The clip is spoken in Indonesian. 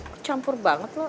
kecampur banget lo